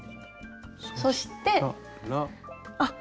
そしてあっ。